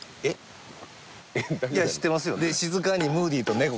いや知ってますよ